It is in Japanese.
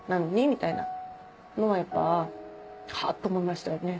みたいなのはやっぱはっと思いましたね